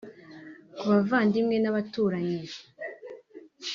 Ku bavandimwe n’abaturanyi